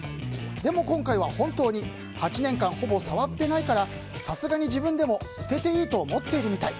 でも今回は本当に８年間ほぼ触っていないからさすがに自分でも捨てていいと思っているみたい。